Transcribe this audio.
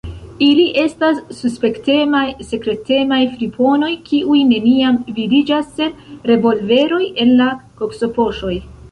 Ili estas suspektemaj, sekretemaj friponoj, kiuj neniam vidiĝas sen revolveroj en la koksopoŝoj.